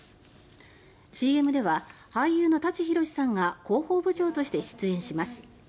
ＣＭでは俳優の舘ひろしさんが広報部長として出演します。